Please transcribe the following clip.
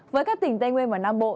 với các tỉnh tây nguyên và nam bộ